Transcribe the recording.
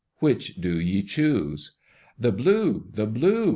Which do ye choose?" "The blue! The blue!"